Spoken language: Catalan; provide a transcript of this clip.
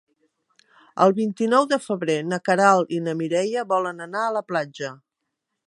El vint-i-nou de febrer na Queralt i na Mireia volen anar a la platja.